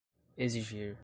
exigir